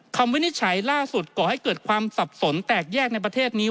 วินิจฉัยล่าสุดก่อให้เกิดความสับสนแตกแยกในประเทศนี้